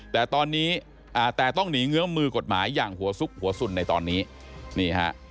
แต่ตอนนี้แต่ต้องหนีเงื้อมือกฎหมายอย่างหัวซุกหัวสุนในตอนนี้นี่ฮะ